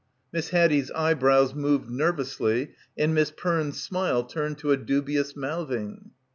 Miss Haddie's eyebrows moved nervously, and Miss Perne's smile turned to a dubious mouthing.